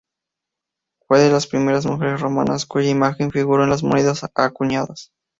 Fue de las primeras mujeres romanas cuya imagen figuró en las monedas acuñadas.